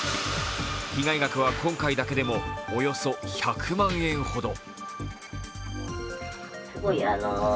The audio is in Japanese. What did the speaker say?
被害額は今回だけでもおよそ１００万円ほど。